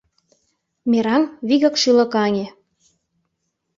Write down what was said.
Мераҥ вигак шӱлыкаҥе.